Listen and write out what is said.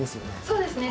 そうですね。